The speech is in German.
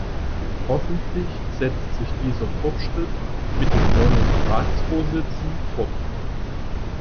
Hoffentlich setzt sich dieser Fortschritt mit den neuen Ratsvorsitzen fort.